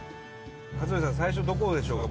克典さん最初どこでしょうか？